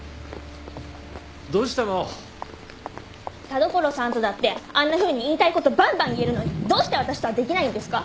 田所さんとだってあんなふうに言いたいことばんばん言えるのにどうして私とはできないんですか？